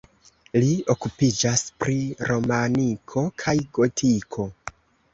Li okupiĝas pri romaniko kaj gotiko.